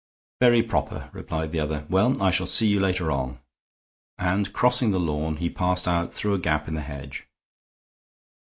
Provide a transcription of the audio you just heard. "Very proper," replied the other. "Well, I shall see you later on," and, crossing the lawn, he passed out through a gap in the hedge.